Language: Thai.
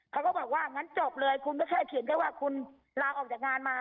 เขาก็บอกว่างั้นจบเลยคุณก็แค่เขียนแค่ว่าคุณลาออกจากงานมา